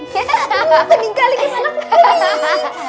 tidak ada yang ketinggalan